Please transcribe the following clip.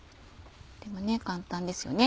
とっても簡単ですよね